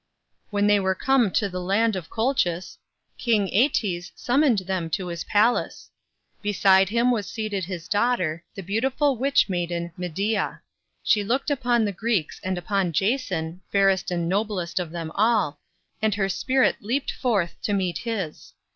When they were come to the land of Colchis, King Æetes summoned them to his palace. Beside him was seated his daughter, the beautiful witch maiden, Medea. She looked upon the Greeks and upon Jason, fairest and noblest of them all, and her spirit leaped forth to meet his.